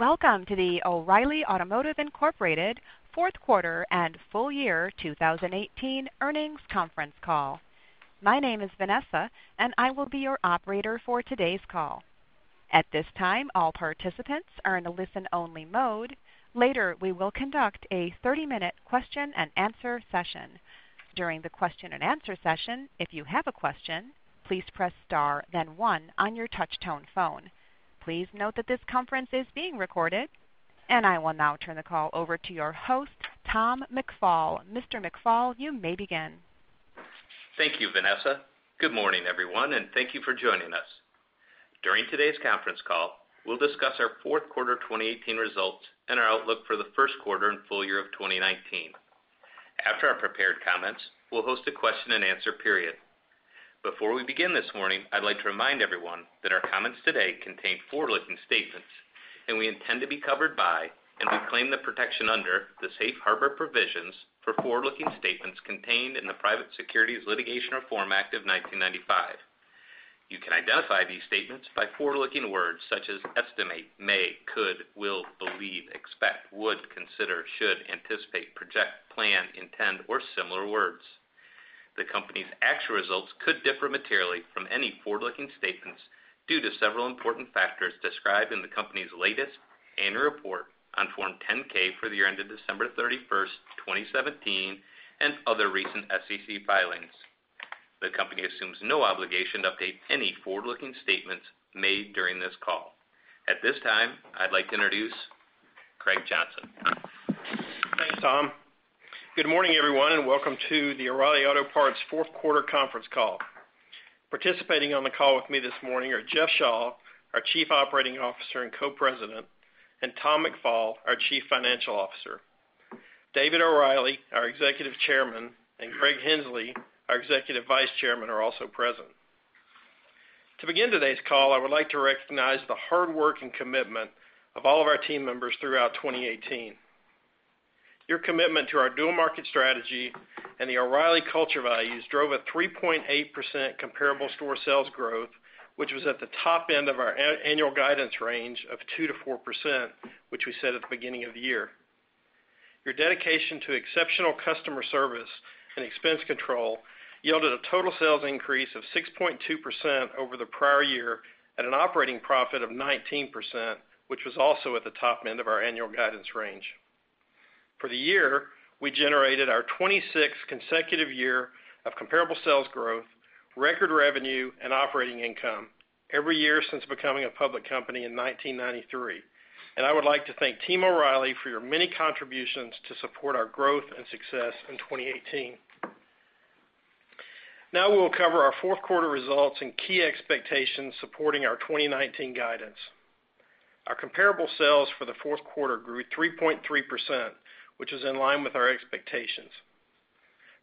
Welcome to the O'Reilly Automotive, Inc. fourth quarter and full year 2018 earnings conference call. My name is Vanessa, and I will be your operator for today's call. At this time, all participants are in a listen-only mode. Later, we will conduct a 30-minute question and answer session. During the question and answer session, if you have a question, please press star then one on your touch-tone phone. Please note that this conference is being recorded, and I will now turn the call over to your host, Tom McFall. Mr. McFall, you may begin. Thank you, Vanessa. Good morning, everyone, and thank you for joining us. During today's conference call, we'll discuss our fourth quarter 2018 results and our outlook for the first quarter and full year of 2019. After our prepared comments, we'll host a question and answer period. Before we begin this morning, I'd like to remind everyone that our comments today contain forward-looking statements, and we intend to be covered by and claim the protection under the safe harbor provisions for forward-looking statements contained in the Private Securities Litigation Reform Act of 1995. You can identify these statements by forward-looking words such as estimate, may, could, will, believe, expect, would, consider, should, anticipate, project, plan, intend, or similar words. The company's actual results could differ materially from any forward-looking statements due to several important factors described in the company's latest annual report on Form 10-K for the year ended December 31st, 2017, and other recent SEC filings. The company assumes no obligation to update any forward-looking statements made during this call. At this time, I'd like to introduce Greg Johnson. Thanks, Tom. Good morning, everyone, and welcome to the O'Reilly Auto Parts fourth quarter conference call. Participating on the call with me this morning are Jeff Shaw, our Chief Operating Officer and Co-President, and Tom McFall, our Chief Financial Officer. David O'Reilly, our Executive Chairman, and Greg Henslee, our Executive Vice Chairman, are also present. To begin today's call, I would like to recognize the hard work and commitment of all of our team members throughout 2018. Your commitment to our dual market strategy and the O'Reilly culture values drove a 3.8% comparable store sales growth, which was at the top end of our annual guidance range of 2%-4%, which we set at the beginning of the year. Your dedication to exceptional customer service and expense control yielded a total sales increase of 6.2% over the prior year at an operating profit of 19%, which was also at the top end of our annual guidance range. For the year, we generated our 26th consecutive year of comparable sales growth, record revenue, and operating income every year since becoming a public company in 1993. I would like to thank Team O'Reilly for your many contributions to support our growth and success in 2018. Now we'll cover our fourth quarter results and key expectations supporting our 2019 guidance. Our comparable sales for the fourth quarter grew 3.3%, which is in line with our expectations.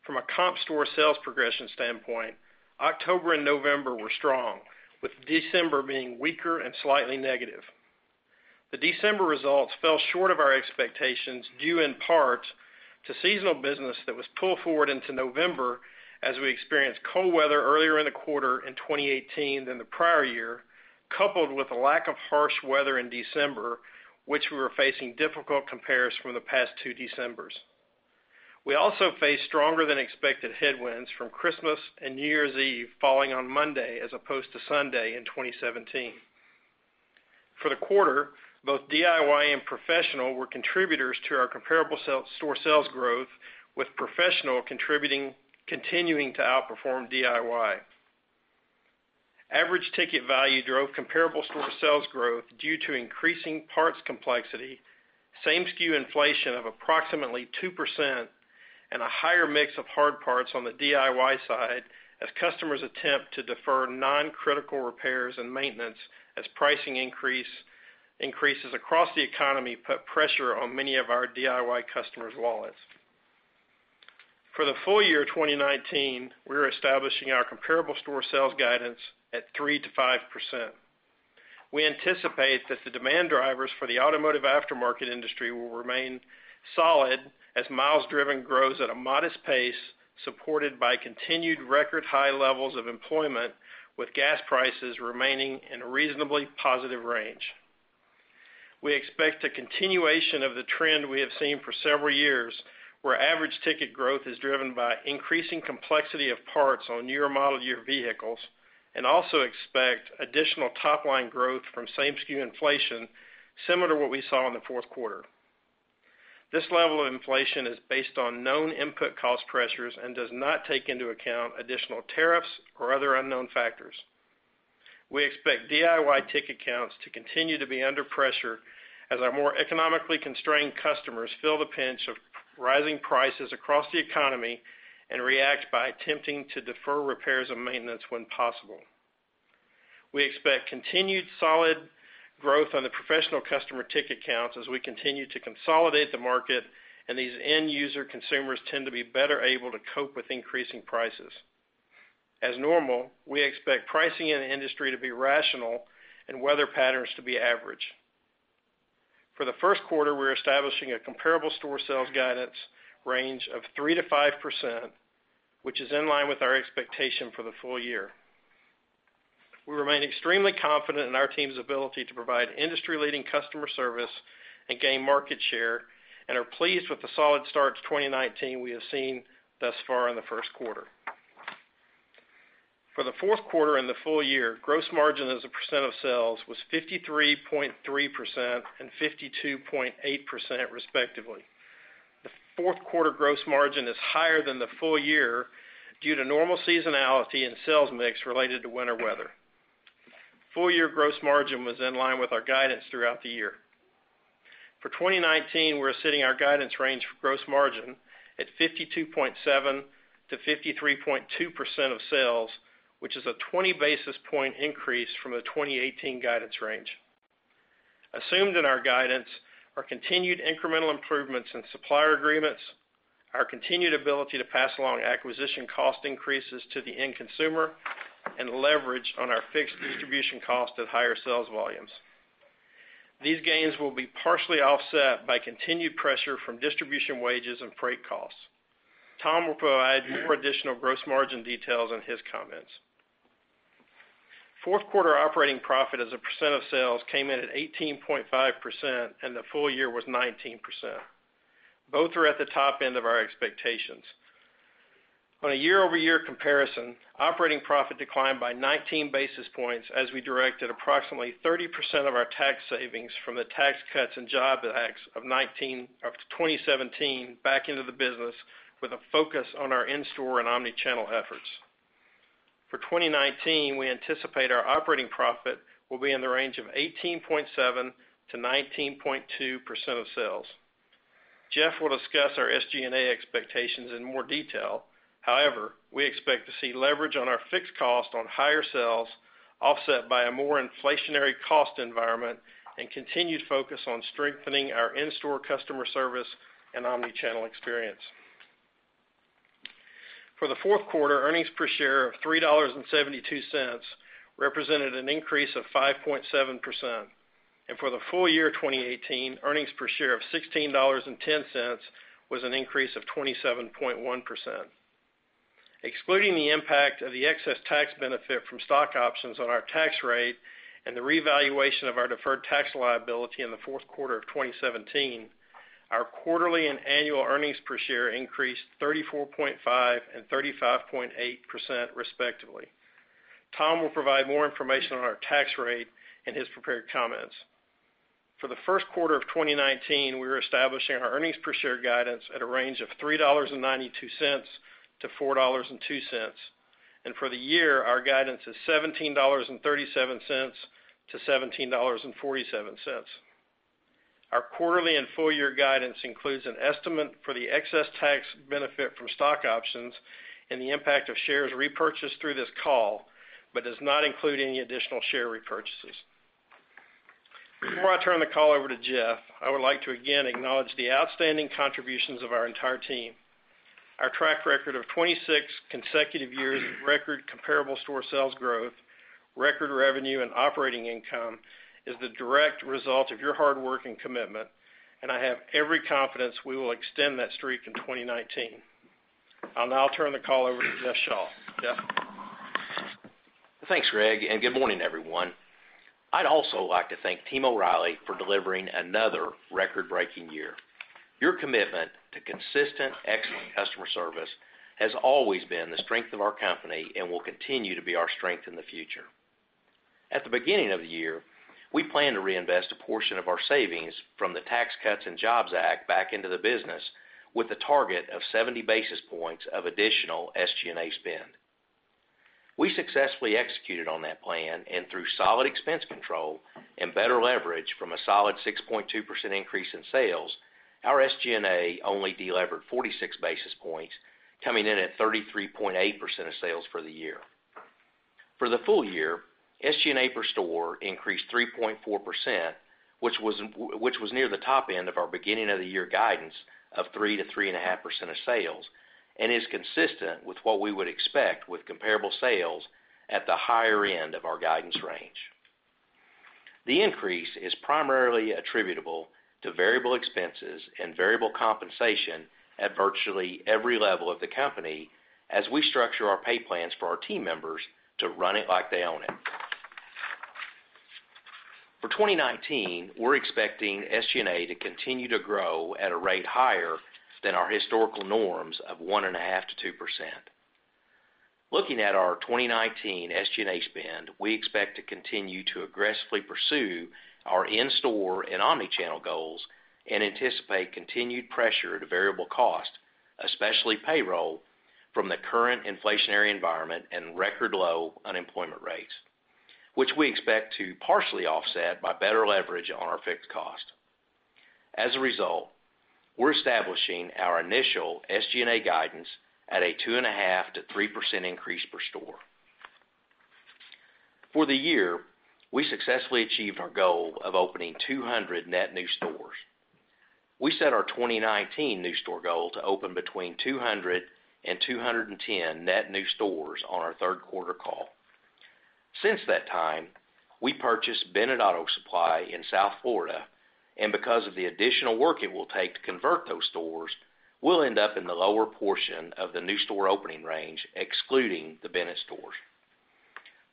From a comp store sales progression standpoint, October and November were strong, with December being weaker and slightly negative. The December results fell short of our expectations due in part to seasonal business that was pulled forward into November as we experienced cold weather earlier in the quarter in 2018 than the prior year, coupled with a lack of harsh weather in December, which we were facing difficult compares from the past two Decembers. We also faced stronger than expected headwinds from Christmas and New Year's Eve falling on Monday as opposed to Sunday in 2017. For the quarter, both DIY and professional were contributors to our comparable store sales growth, with professional continuing to outperform DIY. Average ticket value drove comparable store sales growth due to increasing parts complexity, same SKU inflation of approximately 2%, and a higher mix of hard parts on the DIY side as customers attempt to defer non-critical repairs and maintenance as pricing increases across the economy put pressure on many of our DIY customers' wallets. For the full year 2019, we're establishing our comparable store sales guidance at 3%-5%. We anticipate that the demand drivers for the automotive aftermarket industry will remain solid as miles driven grows at a modest pace, supported by continued record-high levels of employment, with gas prices remaining in a reasonably positive range. We expect a continuation of the trend we have seen for several years, where average ticket growth is driven by increasing complexity of parts on newer model-year vehicles, also expect additional top-line growth from same SKU inflation, similar to what we saw in the fourth quarter. This level of inflation is based on known input cost pressures and does not take into account additional tariffs or other unknown factors. We expect DIY ticket counts to continue to be under pressure as our more economically constrained customers feel the pinch of rising prices across the economy and react by attempting to defer repairs and maintenance when possible. We expect continued solid growth on the professional customer ticket counts as we continue to consolidate the market, and these end-user consumers tend to be better able to cope with increasing prices. As normal, we expect pricing in the industry to be rational and weather patterns to be average. For the first quarter, we're establishing a comparable store sales guidance range of 3%-5%, which is in line with our expectation for the full year. We remain extremely confident in our team's ability to provide industry-leading customer service and gain market share, and are pleased with the solid start to 2019 we have seen thus far in the first quarter. For the fourth quarter and the full year, gross margin as a percent of sales was 53.3% and 52.8% respectively. The fourth quarter gross margin is higher than the full year due to normal seasonality and sales mix related to winter weather. Full-year gross margin was in line with our guidance throughout the year. For 2019, we're setting our guidance range for gross margin at 52.7%-53.2% of sales, which is a 20 basis points increase from the 2018 guidance range. Assumed in our guidance are continued incremental improvements in supplier agreements, our continued ability to pass along acquisition cost increases to the end consumer, and leverage on our fixed distribution cost of higher sales volumes. These gains will be partially offset by continued pressure from distribution wages and freight costs. Tom McFall will provide more additional gross margin details in his comments. Fourth quarter operating profit as a percent of sales came in at 18.5%, and the full year was 19%. Both are at the top end of our expectations. On a year-over-year comparison, operating profit declined by 19 basis points as we directed approximately 30% of our tax savings from the Tax Cuts and Jobs Act of 2017 back into the business with a focus on our in-store and omnichannel efforts. For 2019, we anticipate our operating profit will be in the range of 18.7%-19.2% of sales. Jeff Shaw will discuss our SG&A expectations in more detail. We expect to see leverage on our fixed cost on higher sales offset by a more inflationary cost environment and continued focus on strengthening our in-store customer service and omnichannel experience. For the fourth quarter, earnings per share of $3.72 represented an increase of 5.7%. For the full year 2018, earnings per share of $16.10 was an increase of 27.1%. Excluding the impact of the excess tax benefit from stock options on our tax rate and the revaluation of our deferred tax liability in the fourth quarter of 2017, our quarterly and annual earnings per share increased 34.5% and 35.8% respectively. Tom McFall will provide more information on our tax rate in his prepared comments. For the first quarter of 2019, we are establishing our earnings per share guidance at a range of $3.92-$4.02. For the year, our guidance is $17.37-$17.47. Our quarterly and full year guidance includes an estimate for the excess tax benefit from stock options and the impact of shares repurchased through this call, but does not include any additional share repurchases. Before I turn the call over to Jeff Shaw, I would like to again acknowledge the outstanding contributions of our entire team. Our track record of 26 consecutive years of record comparable store sales growth, record revenue and operating income is the direct result of your hard work and commitment, and I have every confidence we will extend that streak in 2019. I'll now turn the call over to Jeff Shaw. Jeff? Thanks, Greg, and good morning, everyone. I'd also like to thank Team O'Reilly for delivering another record-breaking year. Your commitment to consistent, excellent customer service has always been the strength of our company and will continue to be our strength in the future. At the beginning of the year, we planned to reinvest a portion of our savings from the Tax Cuts and Jobs Act back into the business with a target of 70 basis points of additional SG&A spend. We successfully executed on that plan, and through solid expense control and better leverage from a solid 6.2% increase in sales, our SG&A only delevered 46 basis points, coming in at 33.8% of sales for the year. For the full year, SG&A per store increased 3.4%, which was near the top end of our beginning of the year guidance of 3%-3.5% of sales, and is consistent with what we would expect with comparable sales at the higher end of our guidance range. The increase is primarily attributable to variable expenses and variable compensation at virtually every level of the company as we structure our pay plans for our team members to run it like they own it. For 2019, we're expecting SG&A to continue to grow at a rate higher than our historical norms of 1.5%-2%. Looking at our 2019 SG&A spend, we expect to continue to aggressively pursue our in-store and omnichannel goals and anticipate continued pressure to variable cost, especially payroll, from the current inflationary environment and record low unemployment rates, which we expect to partially offset by better leverage on our fixed cost. As a result, we're establishing our initial SG&A guidance at a 2.5%-3% increase per store. For the year, we successfully achieved our goal of opening 200 net new stores. We set our 2019 new store goal to open between 200 and 210 net new stores on our third quarter call. Since that time, we purchased Bennett Auto Supply in South Florida. Because of the additional work it will take to convert those stores, we'll end up in the lower portion of the new store opening range, excluding the Bennett stores.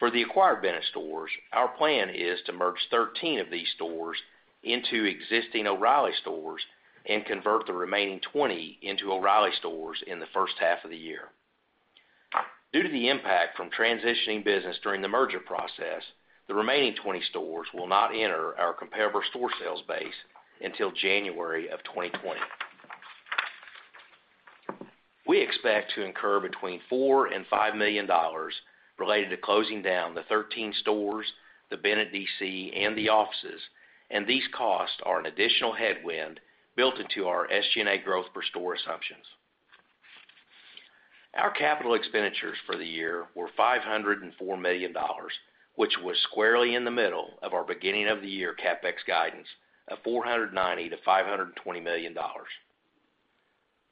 For the acquired Bennett stores, our plan is to merge 13 of these stores into existing O’Reilly stores and convert the remaining 20 into O’Reilly stores in the first half of the year. Due to the impact from transitioning business during the merger process, the remaining 20 stores will not enter our comparable store sales base until January of 2020. We expect to incur between $4 million and $5 million related to closing down the 13 stores, the Bennett DC, and the offices, and these costs are an additional headwind built into our SG&A growth per store assumptions. Our capital expenditures for the year were $504 million, which was squarely in the middle of our beginning of the year CapEx guidance of $490 million to $520 million.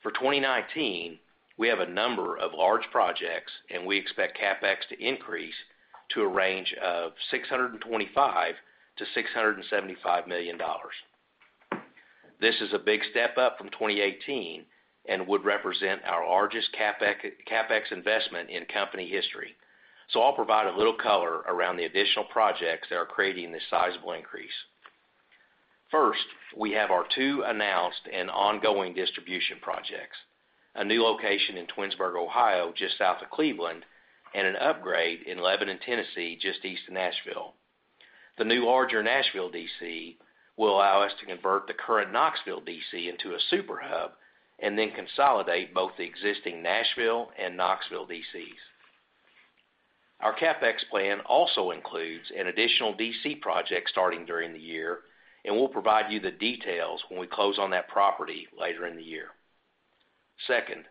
For 2019, we have a number of large projects, and we expect CapEx to increase to a range of $625 million to $675 million. This is a big step up from 2018 and would represent our largest CapEx investment in company history. I'll provide a little color around the additional projects that are creating this sizable increase. First, we have our two announced and ongoing distribution projects, a new location in Twinsburg, Ohio, just south of Cleveland, and an upgrade in Lebanon, Tennessee, just east of Nashville. The new larger Nashville DC will allow us to convert the current Knoxville DC into a Super Hub and then consolidate both the existing Nashville and Knoxville DCs. Our CapEx plan also includes an additional DC project starting during the year, and we'll provide you the details when we close on that property later in the year. Second,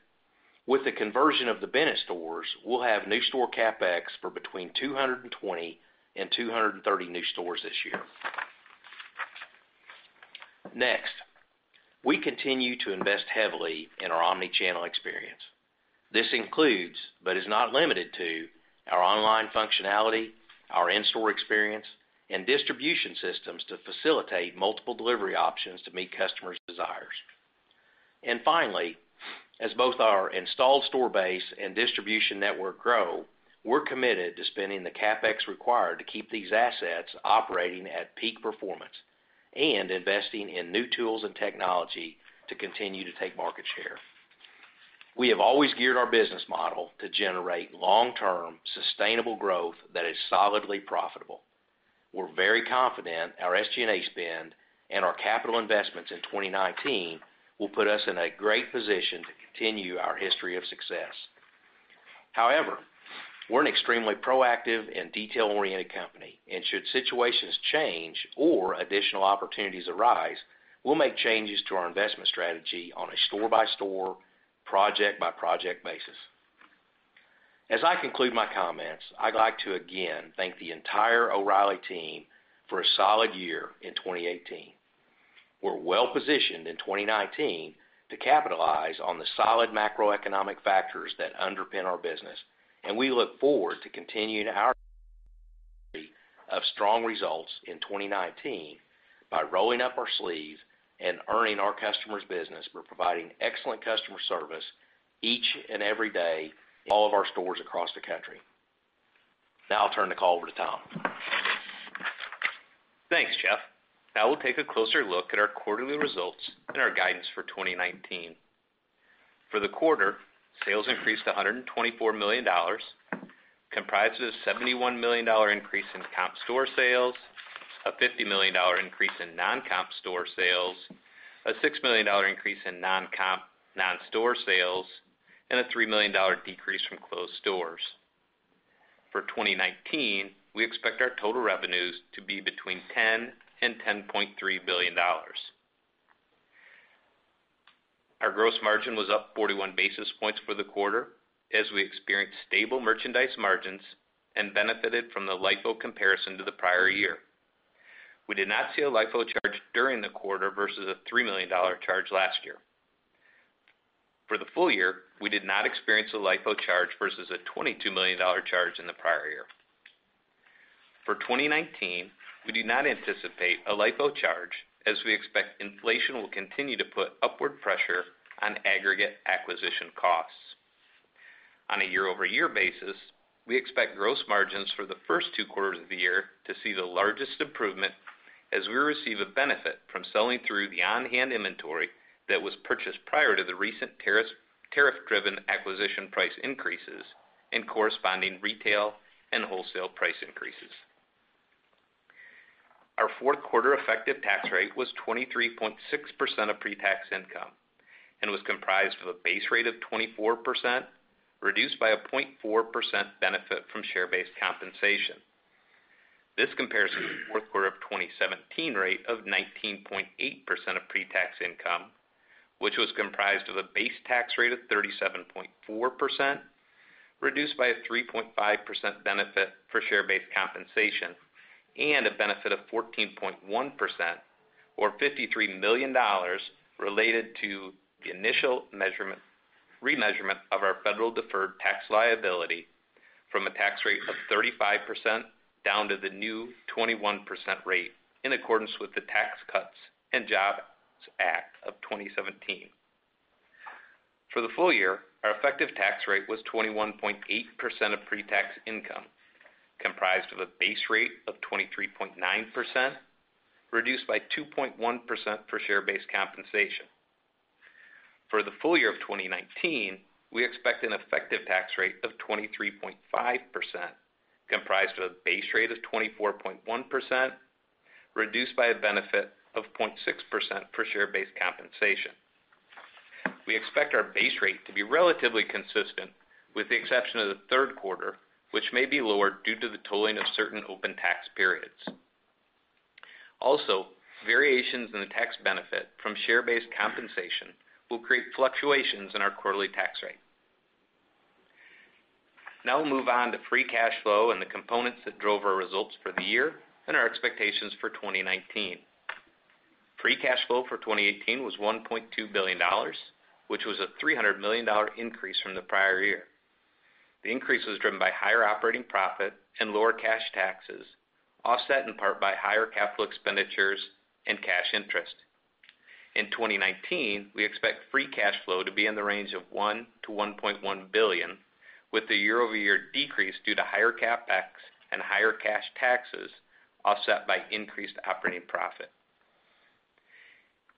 with the conversion of the Bennett stores, we'll have new store CapEx for between 220 and 230 new stores this year. Next, we continue to invest heavily in our omnichannel experience. This includes, but is not limited to, our online functionality, our in-store experience, and distribution systems to facilitate multiple delivery options to meet customers' desires. Finally, as both our installed store base and distribution network grow, we're committed to spending the CapEx required to keep these assets operating at peak performance and investing in new tools and technology to continue to take market share. We have always geared our business model to generate long-term, sustainable growth that is solidly profitable. We're very confident our SG&A spend and our capital investments in 2019 will put us in a great position to continue our history of success. However, we're an extremely proactive and detail-oriented company, and should situations change or additional opportunities arise, we'll make changes to our investment strategy on a store-by-store, project-by-project basis. As I conclude my comments, I'd like to again thank the entire O’Reilly team for a solid year in 2018. We're well-positioned in 2019 to capitalize on the solid macroeconomic factors that underpin our business, and we look forward to continuing our of strong results in 2019 by rolling up our sleeves and earning our customers' business. We're providing excellent customer service each and every day in all of our stores across the country. Now I'll turn the call over to Tom. Thanks, Jeff. We'll take a closer look at our quarterly results and our guidance for 2019. For the quarter, sales increased to $124 million, comprised of a $71 million increase in comp store sales, a $50 million increase in non-comp store sales, a $6 million increase in non-comp non-store sales, and a $3 million decrease from closed stores. For 2019, we expect our total revenues to be between $10 billion-$10.3 billion. Our gross margin was up 41 basis points for the quarter, as we experienced stable merchandise margins and benefited from the LIFO comparison to the prior year. We did not see a LIFO charge during the quarter versus a $3 million charge last year. For the full year, we did not experience a LIFO charge versus a $22 million charge in the prior year. For 2019, we do not anticipate a LIFO charge, as we expect inflation will continue to put upward pressure on aggregate acquisition costs. On a year-over-year basis, we expect gross margins for the first two quarters of the year to see the largest improvement as we receive a benefit from selling through the on-hand inventory that was purchased prior to the recent tariff-driven acquisition price increases and corresponding retail and wholesale price increases. Our fourth quarter effective tax rate was 23.6% of pre-tax income and was comprised of a base rate of 24%, reduced by a 0.4% benefit from share-based compensation. This compares to the fourth quarter of 2017 rate of 19.8% of pre-tax income, which was comprised of a base tax rate of 37.4%, reduced by a 3.5% benefit for share-based compensation and a benefit of 14.1%, or $53 million, related to the initial remeasurement of our federal deferred tax liability from a tax rate of 35% down to the new 21% rate, in accordance with the Tax Cuts and Jobs Act of 2017. For the full year, our effective tax rate was 21.8% of pre-tax income, comprised of a base rate of 23.9%, reduced by 2.1% for share-based compensation. For the full year of 2019, we expect an effective tax rate of 23.5%, comprised of a base rate of 24.1%, reduced by a benefit of 0.6% for share-based compensation. We expect our base rate to be relatively consistent, with the exception of the third quarter, which may be lower due to the tolling of certain open tax periods. Variations in the tax benefit from share-based compensation will create fluctuations in our quarterly tax rate. We'll move on to free cash flow and the components that drove our results for the year and our expectations for 2019. Free cash flow for 2018 was $1.2 billion, which was a $300 million increase from the prior year. The increase was driven by higher operating profit and lower cash taxes, offset in part by higher capital expenditures and cash interest. In 2019, we expect free cash flow to be in the range of $1 billion-$1.1 billion, with the year-over-year decrease due to higher CapEx and higher cash taxes offset by increased operating profit.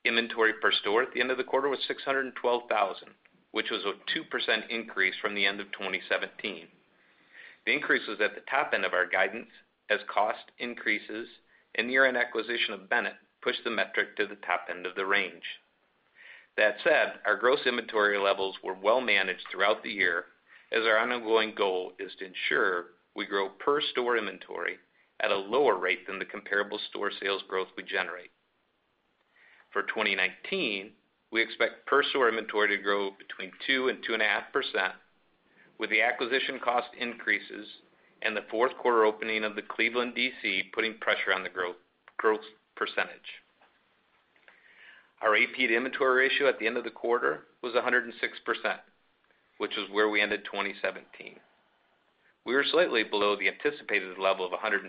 Inventory per store at the end of the quarter was 612,000, which was a 2% increase from the end of 2017. The increase was at the top end of our guidance as cost increases and the year-end acquisition of Bennett pushed the metric to the top end of the range. That said, our gross inventory levels were well managed throughout the year, as our ongoing goal is to ensure we grow per-store inventory at a lower rate than the comparable store sales growth we generate. For 2019, we expect per-store inventory to grow between 2% and 2.5%, with the acquisition cost increases and the fourth quarter opening of the Cleveland DC putting pressure on the growth percentage. Our AP inventory ratio at the end of the quarter was 106%, which is where we ended 2017. We were slightly below the anticipated level of 107%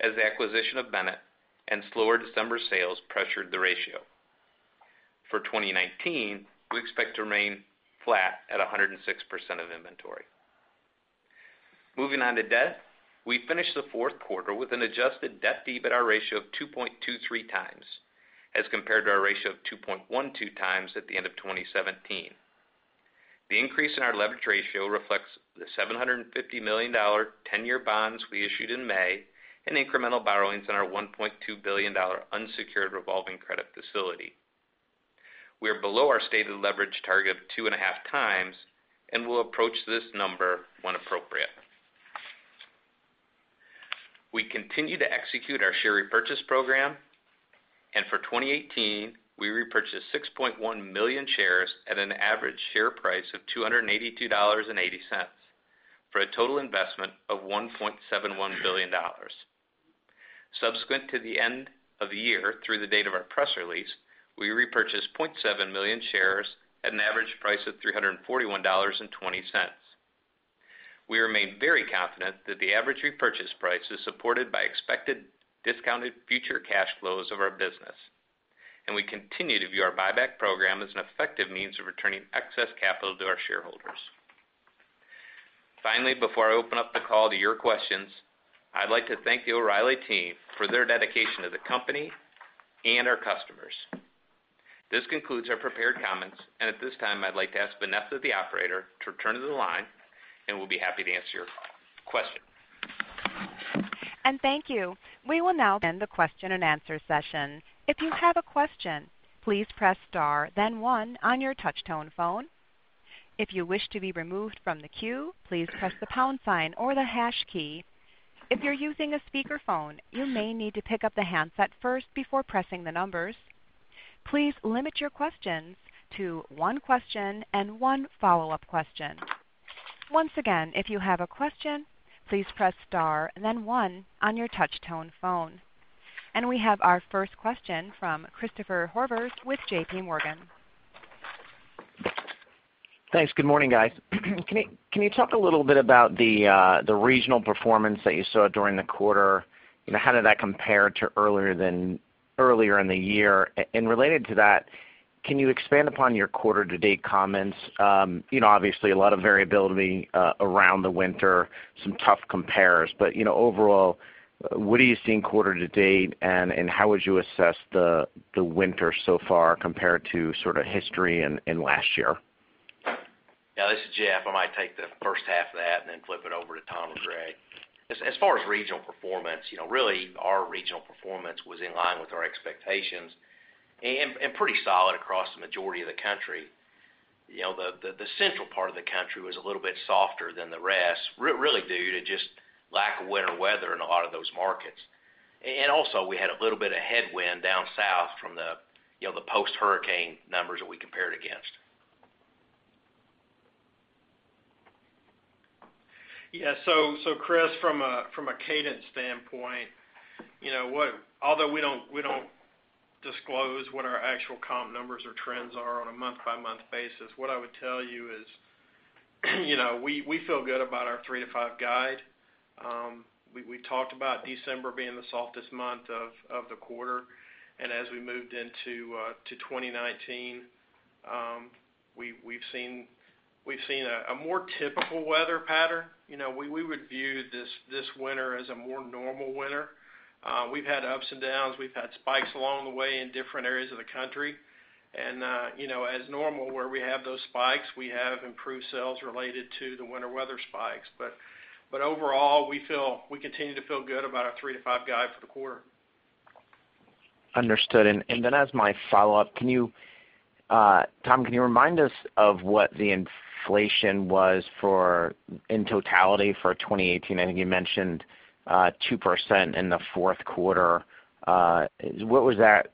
as the acquisition of Bennett and slower December sales pressured the ratio. For 2019, we expect to remain flat at 106% of inventory. Moving on to debt. We finished the fourth quarter with an adjusted debt-to-EBITDA ratio of 2.23 times as compared to a ratio of 2.12 times at the end of 2017. The increase in our leverage ratio reflects the $750 million 10-year bonds we issued in May and incremental borrowings on our $1.2 billion unsecured revolving credit facility. We are below our stated leverage target of 2.5 times, and will approach this number when appropriate. We continue to execute our share repurchase program, and for 2018, we repurchased 6.1 million shares at an average share price of $282.80 for a total investment of $1.71 billion. Subsequent to the end of the year, through the date of our press release, we repurchased 0.7 million shares at an average price of $341.20. We remain very confident that the average repurchase price is supported by expected discounted future cash flows of our business, and we continue to view our buyback program as an effective means of returning excess capital to our shareholders. Finally, before I open up the call to your questions, I'd like to thank the O'Reilly team for their dedication to the company and our customers. This concludes our prepared comments, and at this time, I'd like to ask Vanessa, the Operator, to return to the line, and we'll be happy to answer your questions. Thank you. We will now begin the question and answer session. If you have a question, please press star then one on your touch-tone phone. If you wish to be removed from the queue, please press the pound sign or the hash key. If you're using a speakerphone, you may need to pick up the handset first before pressing the numbers. Please limit your questions to one question and one follow-up question. Once again, if you have a question, please press star then one on your touch-tone phone. We have our first question from Christopher Horvers with JPMorgan. Thanks. Good morning, guys. Can you talk a little bit about the regional performance that you saw during the quarter? How did that compare to earlier in the year? Related to that, can you expand upon your quarter-to-date comments? Obviously, a lot of variability around the winter, some tough compares. Overall, what are you seeing quarter to date, and how would you assess the winter so far compared to sort of history and last year? Yeah, this is Jeff. I might take the first half of that and then flip it over to Tom or Greg. As far as regional performance, really our regional performance was in line with our expectations and pretty solid across the majority of the country. The central part of the country was a little bit softer than the rest, really due to just lack of winter weather in a lot of those markets. Also, we had a little bit of headwind down south from the post-hurricane numbers that we compared against. Yeah. Chris, from a cadence standpoint, although we don't disclose what our actual comp numbers or trends are on a month-by-month basis. What I would tell you is we feel good about our 3%-5% guide. We talked about December being the softest month of the quarter, as we moved into 2019, we've seen a more typical weather pattern. We would view this winter as a more normal winter. We've had ups and downs. We've had spikes along the way in different areas of the country. As normal, where we have those spikes, we have improved sales related to the winter weather spikes. Overall, we continue to feel good about our 3%-5% guide for the quarter. Understood. Then as my follow-up, Tom, can you remind us of what the inflation was in totality for 2018? I think you mentioned 2% in the fourth quarter. What was that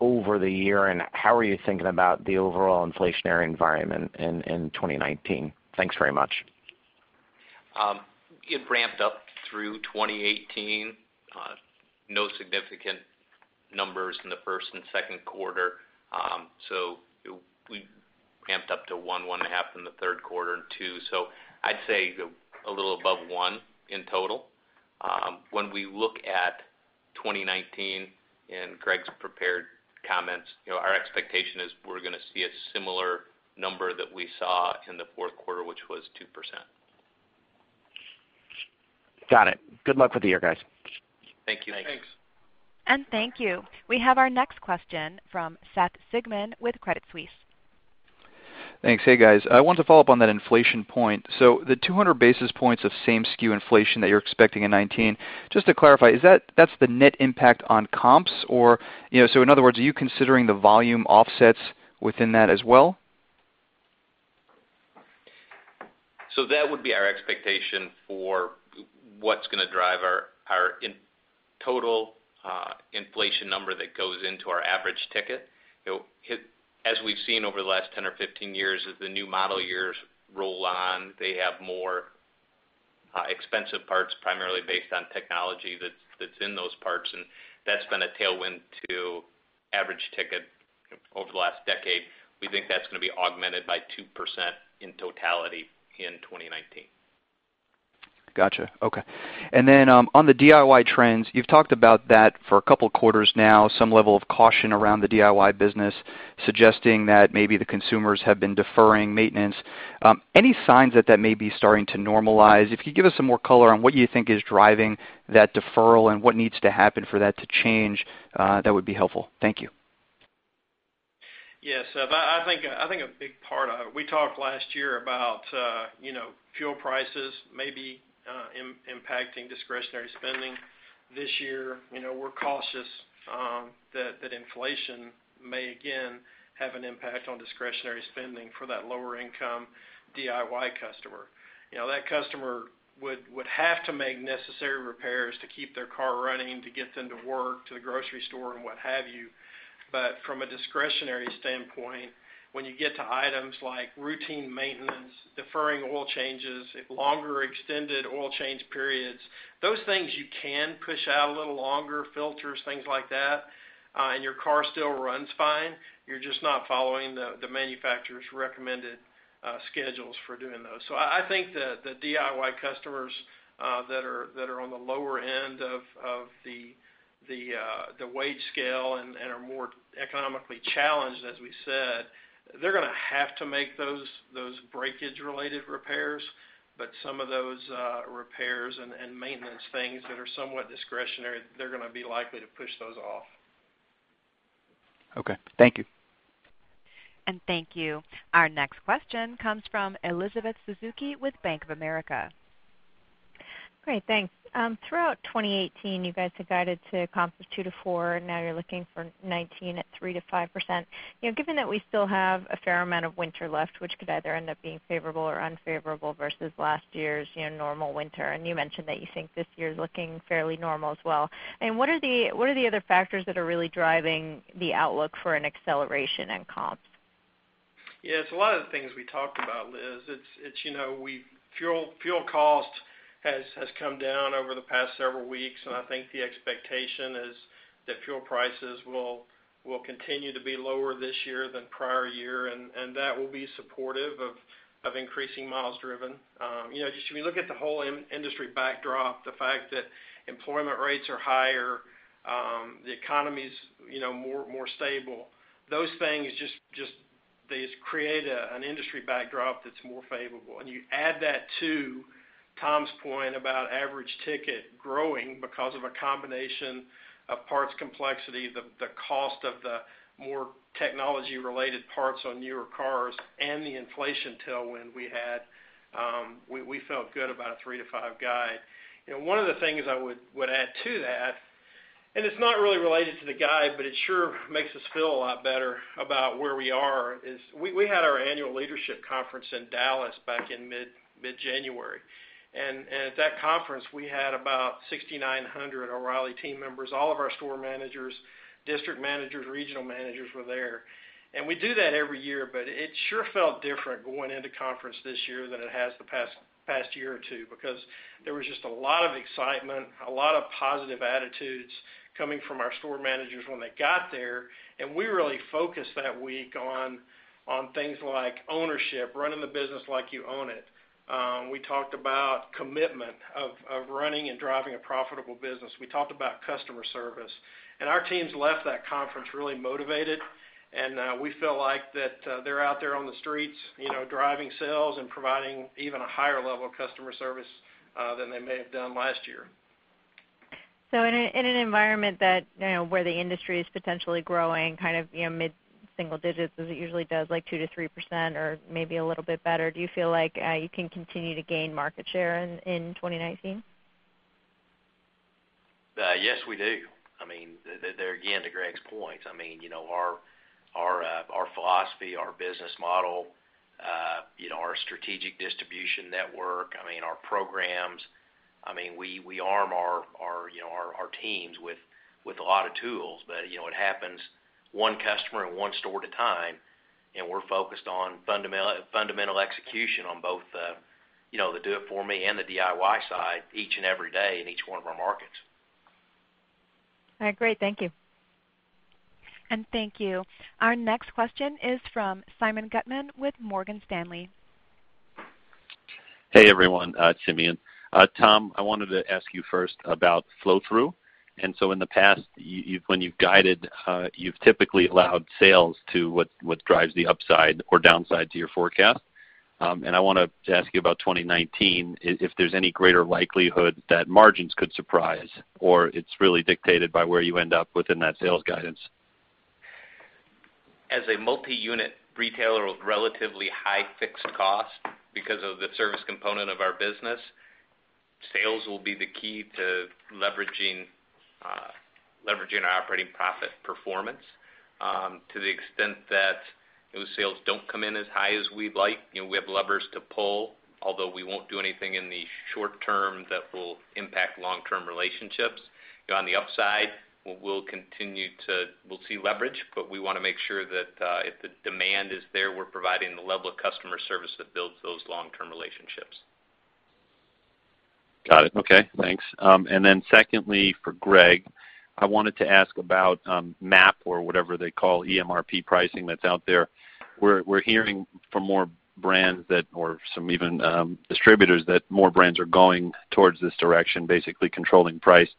over the year, and how are you thinking about the overall inflationary environment in 2019? Thanks very much. It ramped up through 2018. No significant numbers in the first and second quarter. We ramped up to one, 1.5 in the third quarter and two. I'd say a little above one in total. When we look at 2019 and Greg's prepared comments, our expectation is we're going to see a similar number that we saw in the fourth quarter, which was 2%. Got it. Good luck with the year, guys. Thank you. Thanks. Thank you. We have our next question from Seth Sigman with Credit Suisse. Thanks. Hey, guys. I wanted to follow up on that inflation point. The 200 basis points of same SKU inflation that you're expecting in 2019, just to clarify, that's the net impact on comps? In other words, are you considering the volume offsets within that as well? That would be our expectation for what's going to drive our total inflation number that goes into our average ticket. As we've seen over the last 10 or 15 years, as the new model years roll on, they have more expensive parts, primarily based on technology that's in those parts, and that's been a tailwind to average ticket over the last decade. We think that's going to be augmented by 2% in totality in 2019. Got you. Okay. On the DIY trends, you've talked about that for a couple of quarters now, some level of caution around the DIY business, suggesting that maybe the consumers have been deferring maintenance. Any signs that that may be starting to normalize? If you could give us some more color on what you think is driving that deferral and what needs to happen for that to change, that would be helpful. Thank you. Yeah, Seth. I think a big part of it, we talked last year about fuel prices maybe impacting discretionary spending this year. We're cautious that inflation may again have an impact on discretionary spending for that lower-income DIY customer. That customer would have to make necessary repairs to keep their car running to get them to work, to the grocery store and what have you. From a discretionary standpoint, when you get to items like routine maintenance, deferring oil changes, longer extended oil change periods, those things you can push out a little longer, filters, things like that, and your car still runs fine. You're just not following the manufacturer's recommended schedules for doing those. I think the DIY customers that are on the lower end of the wage scale and are more economically challenged, as we said, they're going to have to make those breakage-related repairs, but some of those repairs and maintenance things that are somewhat discretionary, they're going to be likely to push those off. Okay. Thank you. Thank you. Our next question comes from Elizabeth Suzuki with Bank of America. Great, thanks. Throughout 2018, you guys had guided to comps of 2%-4%. Now you're looking for 2019 at 3%-5%. Given that we still have a fair amount of winter left, which could either end up being favorable or unfavorable versus last year's normal winter, and you mentioned that you think this year's looking fairly normal as well, what are the other factors that are really driving the outlook for an acceleration in comps? Yeah, it's a lot of the things we talked about, Liz. Fuel cost has come down over the past several weeks. I think the expectation is that fuel prices will continue to be lower this year than prior year, and that will be supportive of increasing miles driven. As we look at the whole industry backdrop, the fact that employment rates are higher, the economy's more stable, those things just create an industry backdrop that's more favorable. You add that to Tom's point about average ticket growing because of a combination of parts complexity, the cost of the more technology-related parts on newer cars, and the inflation tailwind we had, we felt good about a three to five guide. One of the things I would add to that. It's not really related to the guide, but it sure makes us feel a lot better about where we are is we had our annual leadership conference in Dallas back in mid-January. At that conference, we had about 6,900 Team O'Reilly members. All of our store managers, district managers, regional managers were there. We do that every year, but it sure felt different going into conference this year than it has the past year or two because there was just a lot of excitement, a lot of positive attitudes coming from our store managers when they got there. We really focused that week on things like ownership, running the business like you own it. We talked about commitment of running and driving a profitable business. We talked about customer service. Our teams left that conference really motivated, and we feel like that they're out there on the streets, driving sales and providing even a higher level of customer service than they may have done last year. In an environment where the industry is potentially growing kind of mid-single digits as it usually does, like 2%-3% or maybe a little bit better, do you feel like you can continue to gain market share in 2019? Yes, we do. Again, to Greg's point, our philosophy, our business model, our strategic distribution network, our programs, we arm our teams with a lot of tools. It happens one customer and one store at a time, we're focused on fundamental execution on both the Do It For Me and the DIY side each and every day in each one of our markets. All right. Great. Thank you. Thank you. Our next question is from Simeon Gutman with Morgan Stanley. Hey, everyone. Simeon. Tom, I wanted to ask you first about flow-through. In the past, when you've guided, you've typically allowed sales to what drives the upside or downside to your forecast. I want to ask you about 2019, if there's any greater likelihood that margins could surprise, or it's really dictated by where you end up within that sales guidance. As a multi-unit retailer with relatively high fixed cost because of the service component of our business, sales will be the key to leveraging our operating profit performance. To the extent that those sales don't come in as high as we'd like, we have levers to pull, although we won't do anything in the short term that will impact long-term relationships. On the upside, we'll see leverage, but we want to make sure that if the demand is there, we're providing the level of customer service that builds those long-term relationships. Got it. Okay, thanks. Secondly, for Greg, I wanted to ask about MAP or whatever they call EMRP pricing that's out there. We're hearing from more brands or some even distributors that more brands are going towards this direction, basically controlling price.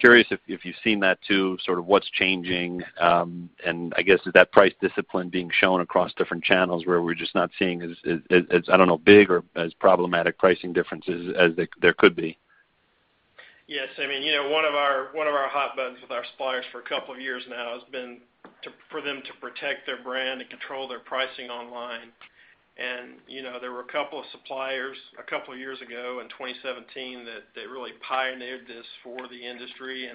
Curious if you've seen that too, sort of what's changing. I guess is that price discipline being shown across different channels where we're just not seeing as, I don't know, big or as problematic pricing differences as there could be? Yes. One of our hot buttons with our suppliers for a couple of years now has been for them to protect their brand and control their pricing online. There were a couple of suppliers a couple of years ago in 2017 that really pioneered this for the industry.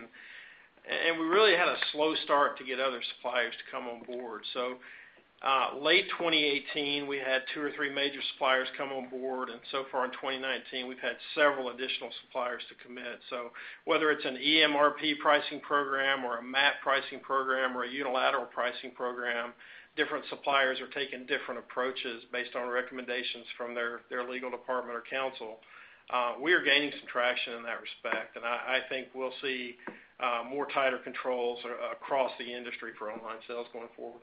We really had a slow start to get other suppliers to come on board. Late 2018, we had two or three major suppliers come on board, and so far in 2019, we've had several additional suppliers to commit. Whether it's an EMRP pricing program or a MAP pricing program or a unilateral pricing program, different suppliers are taking different approaches based on recommendations from their legal department or counsel. We are gaining some traction in that respect, and I think we'll see more tighter controls across the industry for online sales going forward.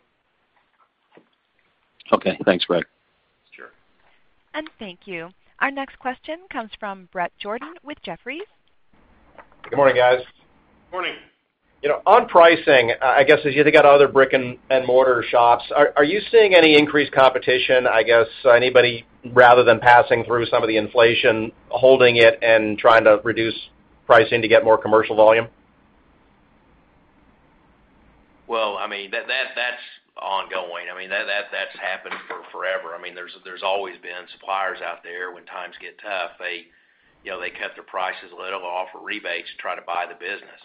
Okay, thanks, Greg. Sure. Thank you. Our next question comes from Bret Jordan with Jefferies. Good morning, guys. Morning. On pricing, I guess as you think about other brick-and-mortar shops, are you seeing any increased competition, I guess, anybody rather than passing through some of the inflation, holding it and trying to reduce pricing to get more commercial volume? Well, that's ongoing. That's happened for forever. There's always been suppliers out there when times get tough. They cut their prices a little, offer rebates to try to buy the business.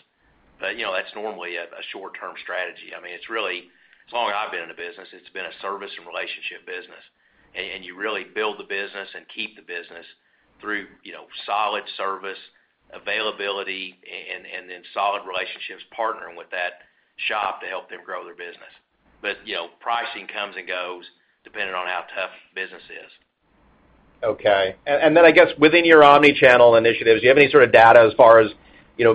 That's normally a short-term strategy. As long as I've been in the business, it's been a service and relationship business. You really build the business and keep the business through solid service, availability, and then solid relationships partnering with that shop to help them grow their business. Pricing comes and goes depending on how tough business is. Okay. I guess within your omni-channel initiatives, do you have any sort of data as far as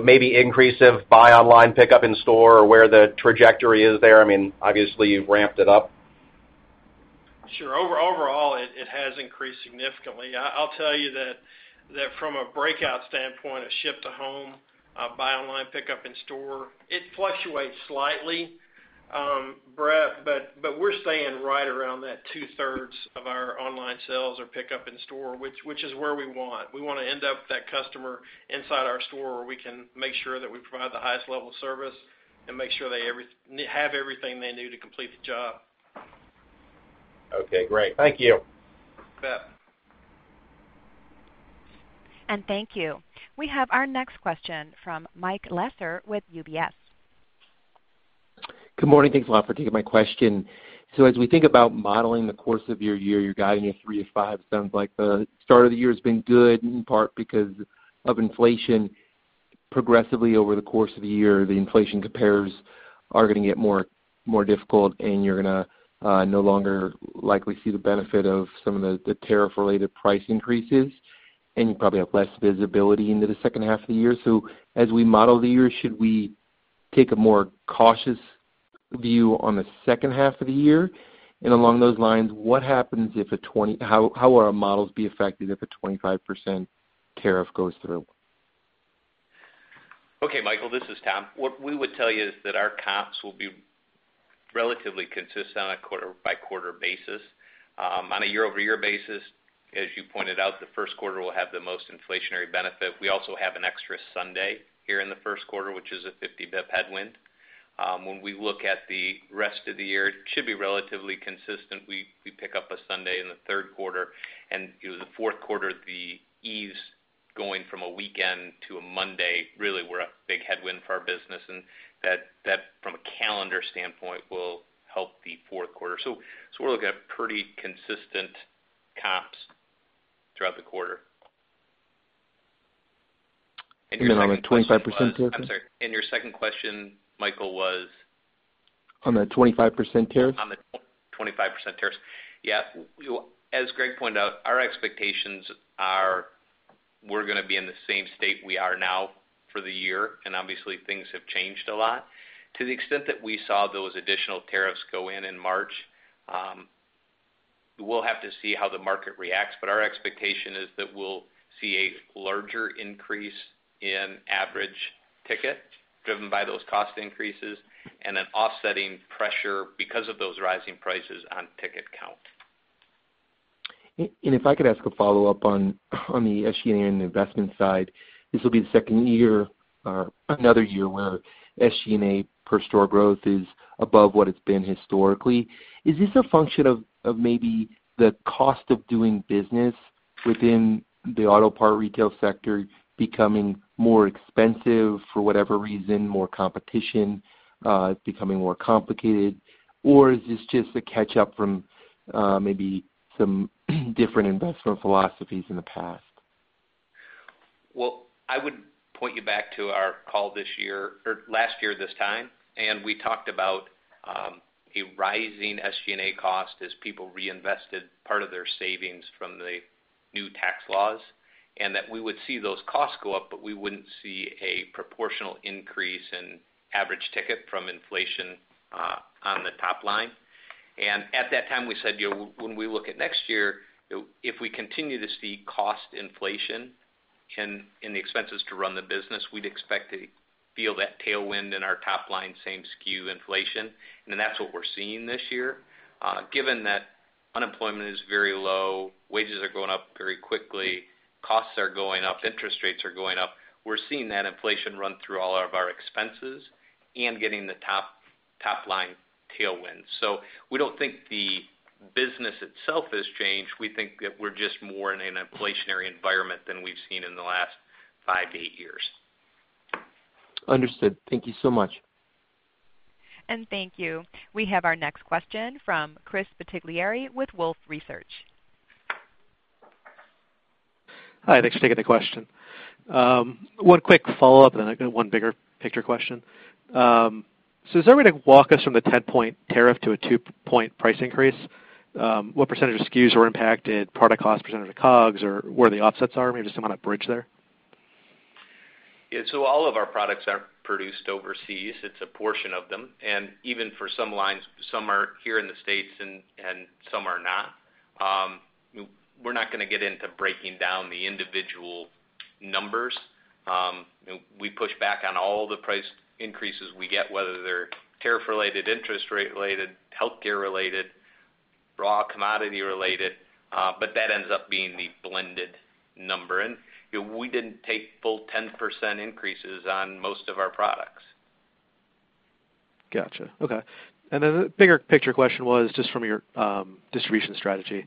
maybe increase of buy online, pickup in store or where the trajectory is there? Obviously, you've ramped it up. Sure. Overall, it has increased significantly. I'll tell you that from a breakout standpoint of ship to home, buy online, pickup in store, it fluctuates slightly, Bret, but we're staying right around that two-thirds of our online sales are pickup in store, which is where we want. We want to end up with that customer inside our store where we can make sure that we provide the highest level of service and make sure they have everything they need to complete the job. Okay, great. Thank you. You bet. Thank you. We have our next question from Michael Lasser with UBS. Good morning. Thanks a lot for taking my question. As we think about modeling the course of your year, you're guiding a 3%-5%. Sounds like the start of the year has been good, in part because of inflation progressively over the course of the year, the inflation compares are going to get more difficult, and you're going to no longer likely see the benefit of some of the tariff-related price increases, and you probably have less visibility into the second half of the year. As we model the year, should we take a more cautious view on the second half of the year? Along those lines, how will our models be affected if a 25% tariff goes through? Michael, this is Tom. What we would tell you is that our comps will be relatively consistent on a quarter-by-quarter basis. On a year-over-year basis, as you pointed out, the first quarter will have the most inflationary benefit. We also have an extra Sunday here in the first quarter, which is a 50 basis point headwind. When we look at the rest of the year, it should be relatively consistent. We pick up a Sunday in the third quarter and the fourth quarter, the ease going from a weekend to a Monday, really we're a big headwind for our business, and that from a calendar standpoint will help the fourth quarter. We're looking at pretty consistent comps throughout the quarter. Then on the 25% tariff? I'm sorry. Your second question, Michael, was? On the 25% tariff. On the 25% tariffs. Yeah. As Greg pointed out, our expectations are we're going to be in the same state we are now for the year. Obviously, things have changed a lot. To the extent that we saw those additional tariffs go in in March, we'll have to see how the market reacts, but our expectation is that we'll see a larger increase in average ticket driven by those cost increases and an offsetting pressure because of those rising prices on ticket count. If I could ask a follow-up on the SG&A and investment side. This will be the second year or another year where SG&A per store growth is above what it's been historically. Is this a function of maybe the cost of doing business within the auto part retail sector becoming more expensive for whatever reason, more competition, becoming more complicated? Or is this just a catch-up from maybe some different investment philosophies in the past? I would point you back to our call this year or last year this time, we talked about a rising SG&A cost as people reinvested part of their savings from the new tax laws, that we would see those costs go up, we wouldn't see a proportional increase in average ticket from inflation on the top line. At that time, we said, when we look at next year, if we continue to see cost inflation in the expenses to run the business, we'd expect to feel that tailwind in our top-line same SKU inflation. That's what we're seeing this year. Given that unemployment is very low, wages are going up very quickly, costs are going up, interest rates are going up, we're seeing that inflation run through all of our expenses and getting the top-line tailwind. We don't think the business itself has changed. We think that we're just more in an inflationary environment than we've seen in the last five to eight years. Understood. Thank you so much. Thank you. We have our next question from Chris Bottiglieri with Wolfe Research. Hi, thanks for taking the question. One quick follow-up, and then I got one bigger picture question. Is there a way to walk us from the 10-point tariff to a 2-point price increase? What percentage of SKUs were impacted, product cost percentage of COGS or where the offsets are? Maybe just some kind of bridge there. Yeah. All of our products aren't produced overseas. It's a portion of them. Even for some lines, some are here in the States and some are not. We're not gonna get into breaking down the individual numbers. We push back on all the price increases we get, whether they're tariff related, interest rate related, healthcare related, raw commodity related, but that ends up being the blended number. We didn't take full 10% increases on most of our products. Got you. Okay. The bigger picture question was just from your distribution strategy.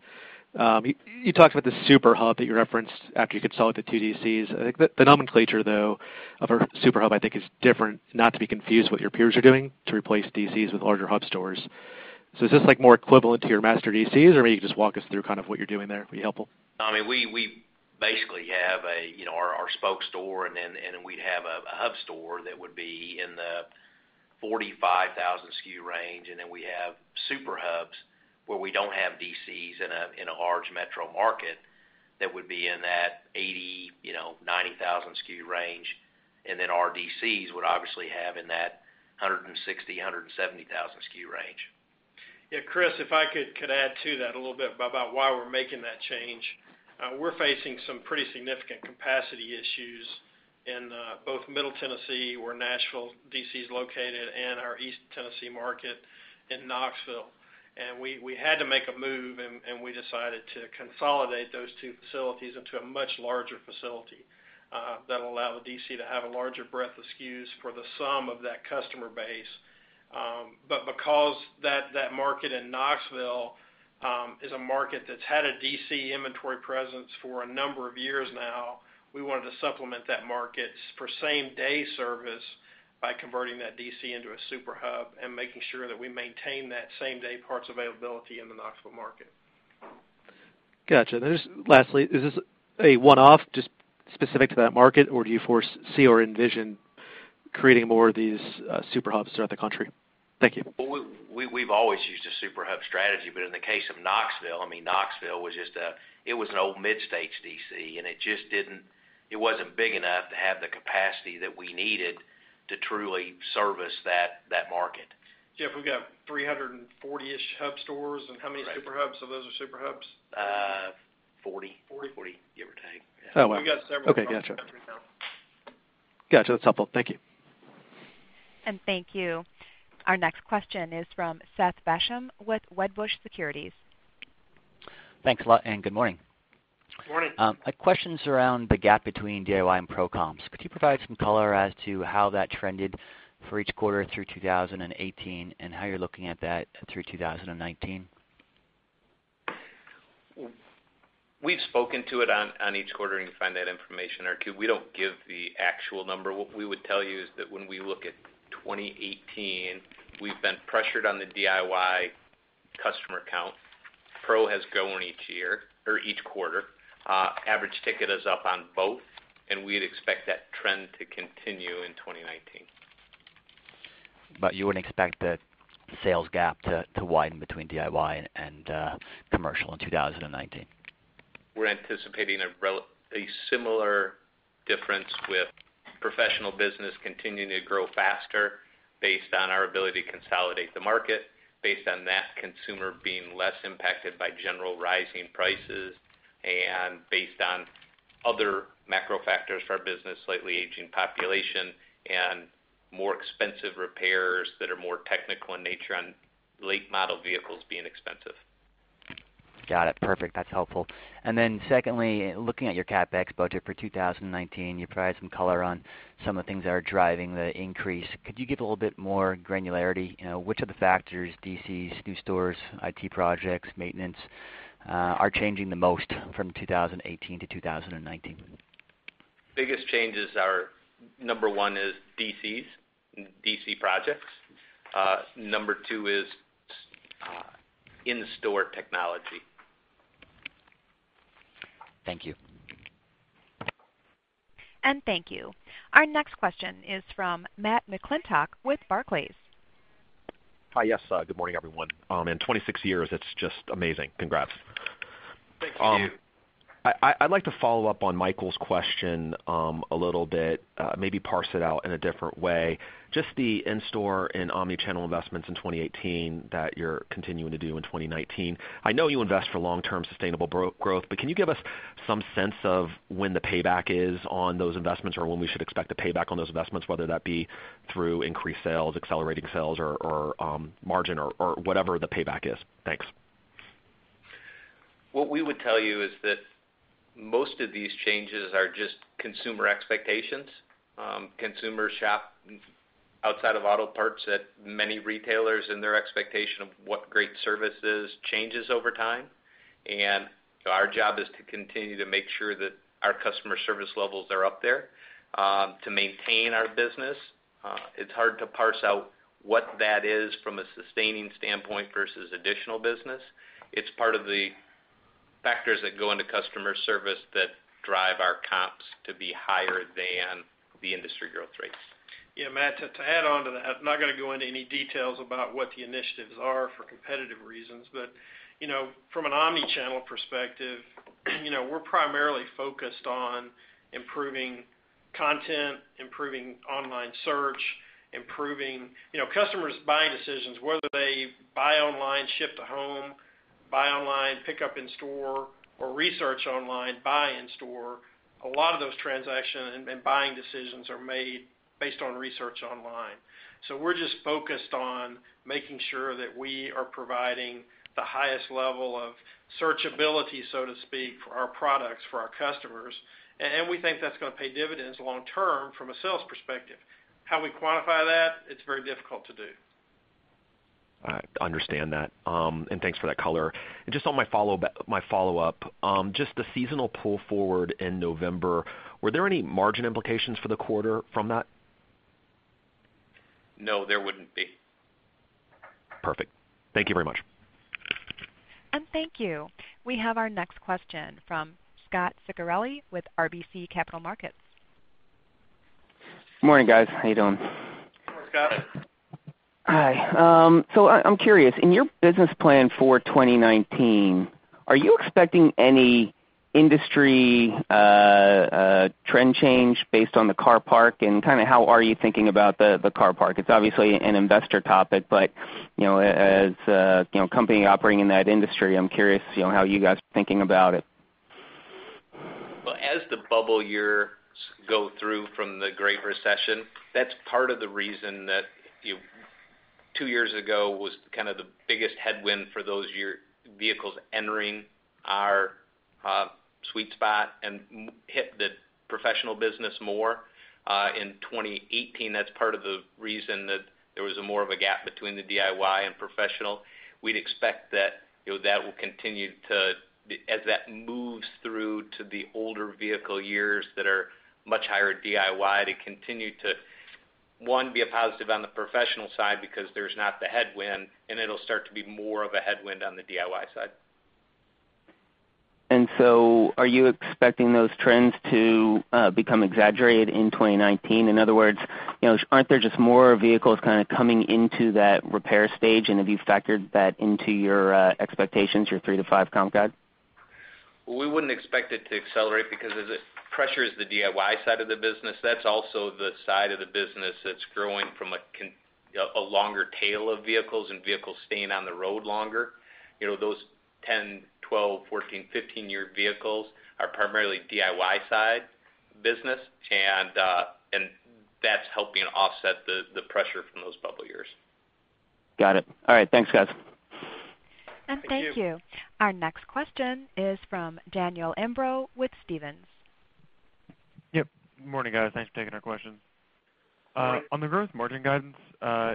You talked about the Super Hub that you referenced after you consolidated 2 DCs. I think the nomenclature, though, of a Super Hub, I think is different, not to be confused with what your peers are doing to replace DCs with larger hub stores. Is this like more equivalent to your master DCs? Maybe you can just walk us through kind of what you're doing there, would be helpful. We basically have our spoke store, and then we have a hub store that would be in the 45,000 SKU range, and then we have Super Hubs where we don't have DCs in a large metro market that would be in that 80,000, 90,000 SKU range, and then our DCs would obviously have in that 160,000, 170,000 SKU range. Yeah, Chris, if I could add to that a little bit about why we're making that change. We're facing some pretty significant capacity issues in both Middle Tennessee, where Nashville DC is located and our East Tennessee market in Knoxville. We had to make a move, and we decided to consolidate those two facilities into a much larger facility. That'll allow the DC to have a larger breadth of SKUs for the sum of that customer base. Because that market in Knoxville is a market that's had a DC inventory presence for a number of years now, we wanted to supplement that market for same-day service by converting that DC into a Super Hub and making sure that we maintain that same-day parts availability in the Knoxville market. Got you. Then just lastly, is this a one-off just specific to that market, or do you foresee or envision creating more of these Super Hubs throughout the country? Thank you. Well, we've always used a Super Hub strategy, but in the case of Knoxville was just an old midstage DC, and it wasn't big enough to have the capacity that we needed to truly service that market. Jeff, we've got 340-ish hub stores, and how many Super Hubs of those are Super Hubs? 40. 40. 40, give or take. Yeah. Oh, wow. We've got several- Okay. Got you. throughout the country now. Got you. That's helpful. Thank you. Thank you. Our next question is from Seth Basham with Wedbush Securities. Thanks a lot, and good morning. Good morning. A question around the gap between DIY and Pro comps. Could you provide some color as to how that trended for each quarter through 2018 and how you're looking at that through 2019? We've spoken to it on each quarter, and you can find that information in our Q. We don't give the actual number. What we would tell you is that when we look at 2018, we've been pressured on the DIY customer count. Pro has grown each quarter. Average ticket is up on both, and we'd expect that trend to continue in 2019. You wouldn't expect the sales gap to widen between DIY and commercial in 2019? We're anticipating a similar difference with professional business continuing to grow faster based on our ability to consolidate the market, based on that consumer being less impacted by general rising prices, and based on other macro factors for our business, slightly aging population and more expensive repairs that are more technical in nature, and late model vehicles being expensive. Got it. Perfect. That's helpful. Secondly, looking at your CapEx budget for 2019, you provided some color on some of the things that are driving the increase. Could you give a little bit more granularity? Which of the factors, DCs, new stores, IT projects, maintenance, are changing the most from 2018 to 2019? Biggest changes are, number one is DCs and DC projects. Number two is in-store technology. Thank you. Thank you. Our next question is from Matthew McClintock with Barclays. Hi, yes. Good morning, everyone. 26 years, that's just amazing. Congrats. Thanks to you. I'd like to follow up on Michael's question a little bit, maybe parse it out in a different way. Just the in-store and omni-channel investments in 2018 that you're continuing to do in 2019. I know you invest for long-term sustainable growth, but can you give us some sense of when the payback is on those investments or when we should expect the payback on those investments, whether that be through increased sales, accelerating sales, or margin, or whatever the payback is? Thanks. What we would tell you is that most of these changes are just consumer expectations. Consumers shop outside of auto parts at many retailers, and their expectation of what great service is changes over time. Our job is to continue to make sure that our customer service levels are up there to maintain our business. It's hard to parse out what that is from a sustaining standpoint versus additional business. It's part of the factors that go into customer service that drive our comps to be higher than the industry growth rates. Yeah, Matt, to add on to that, I'm not going to go into any details about what the initiatives are for competitive reasons. From an omni-channel perspective, we're primarily focused on improving content, improving online search, improving customers' buying decisions, whether they buy online, ship to home, buy online, pick up in store, or research online, buy in store. A lot of those transactions and buying decisions are made based on research online. We're just focused on making sure that we are providing the highest level of searchability, so to speak, for our products for our customers. We think that's going to pay dividends long term from a sales perspective. How we quantify that, it's very difficult to do. All right. Understand that, and thanks for that color. Just on my follow-up, just the seasonal pull forward in November, were there any margin implications for the quarter from that? No, there wouldn't be. Perfect. Thank you very much. Thank you. We have our next question from Scot Ciccarelli with RBC Capital Markets. Morning, guys. How you doing? Morning, Scot. Hi. I'm curious, in your business plan for 2019, are you expecting any industry trend change based on the car park, and how are you thinking about the car park? It's obviously an investor topic, but as a company operating in that industry, I'm curious how you guys are thinking about it. Well, as the bubble years go through from the Great Recession, that's part of the reason that Two years ago was kind of the biggest headwind for those year vehicles entering our sweet spot and hit the professional business more. In 2018, that's part of the reason that there was more of a gap between the DIY and professional. We'd expect that will continue to, as that moves through to the older vehicle years that are much higher DIY, to continue to, one, be a positive on the professional side because there's not the headwind, and it'll start to be more of a headwind on the DIY side. Are you expecting those trends to become exaggerated in 2019? In other words, aren't there just more vehicles kind of coming into that repair stage? Have you factored that into your expectations, your three to five comp guide? We wouldn't expect it to accelerate because as it pressures the DIY side of the business, that's also the side of the business that's growing from a longer tail of vehicles and vehicles staying on the road longer. Those 10, 12, 14, 15-year vehicles are primarily DIY side business, and that's helping offset the pressure from those bubble years. Got it. All right, thanks, guys. Thank you. Thank you. Our next question is from Daniel Imbro with Stephens. Yep. Good morning, guys. Thanks for taking our questions. Good morning. On the gross margin guidance,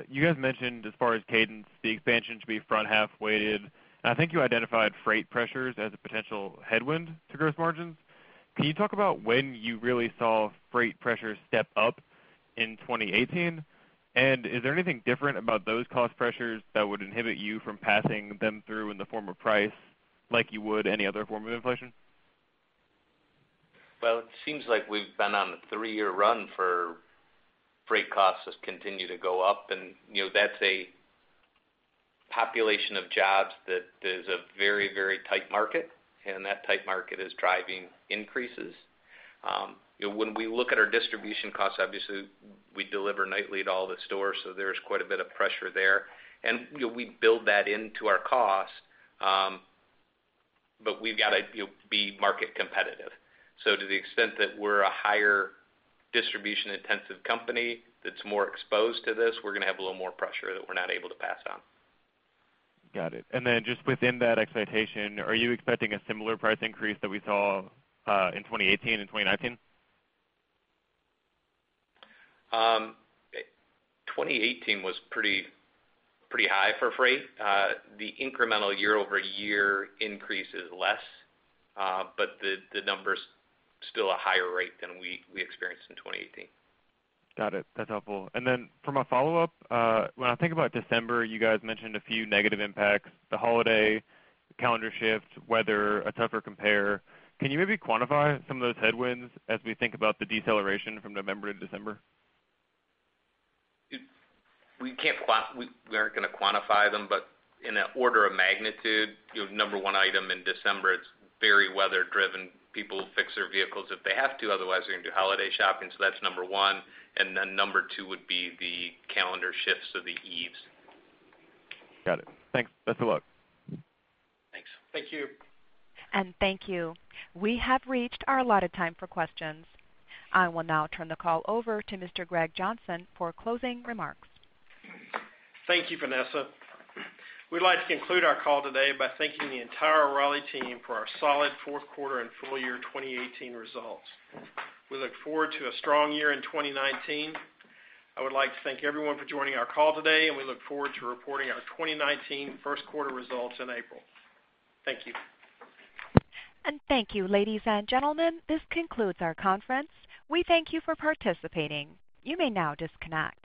you guys mentioned as far as cadence, the expansion to be front-half weighted. I think you identified freight pressures as a potential headwind to gross margins. Can you talk about when you really saw freight pressures step up in 2018? Is there anything different about those cost pressures that would inhibit you from passing them through in the form of price like you would any other form of inflation? Well, it seems like we've been on a three-year run for freight costs just continue to go up, that's a population of jobs that there's a very tight market, that tight market is driving increases. When we look at our distribution costs, obviously, we deliver nightly to all the stores, there's quite a bit of pressure there. We build that into our cost, but we've got to be market competitive. To the extent that we're a higher distribution-intensive company that's more exposed to this, we're gonna have a little more pressure that we're not able to pass on. Got it. Just within that expectation, are you expecting a similar price increase that we saw in 2018 in 2019? 2018 was pretty high for freight. The incremental year-over-year increase is less, but the number's still a higher rate than we experienced in 2018. Got it. That's helpful. For my follow-up, when I think about December, you guys mentioned a few negative impacts, the holiday, the calendar shift, weather, a tougher compare. Can you maybe quantify some of those headwinds as we think about the deceleration from November to December? We aren't going to quantify them, in the order of magnitude, number 1 item in December, it's very weather driven. People fix their vehicles if they have to, otherwise, they're going to do holiday shopping. That's number 1, number 2 would be the calendar shifts of the eves. Got it. Thanks. Best of luck. Thanks. Thank you. Thank you. We have reached our allotted time for questions. I will now turn the call over to Mr. Greg Johnson for closing remarks. Thank you, Vanessa. We'd like to conclude our call today by thanking the entire O'Reilly team for our solid fourth quarter and full year 2018 results. We look forward to a strong year in 2019. I would like to thank everyone for joining our call today, and we look forward to reporting our 2019 first quarter results in April. Thank you. Thank you, ladies and gentlemen. This concludes our conference. We thank you for participating. You may now disconnect.